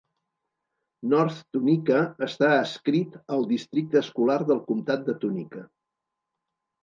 North Tunica està adscrit al districte escolar del comtat de Tunica.